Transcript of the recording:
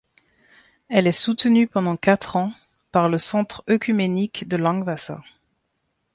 Elle est soutenue pendant quatre ans par le centre œcuménique de Langwasser.